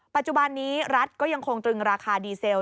ปัจจุบันนี้รัฐก็ยังคงตรึงราคาดีเซล